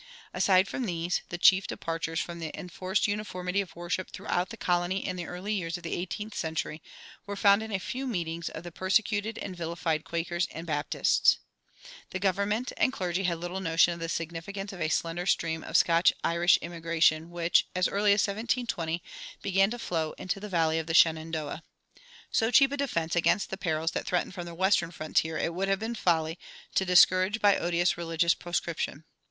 Aside from these, the chief departures from the enforced uniformity of worship throughout the colony in the early years of the eighteenth century were found in a few meetings of persecuted and vilified Quakers and Baptists. The government and clergy had little notion of the significance of a slender stream of Scotch Irish emigration which, as early as 1720, began to flow into the valley of the Shenandoah. So cheap a defense against the perils that threatened from the western frontier it would have been folly to discourage by odious religious proscription.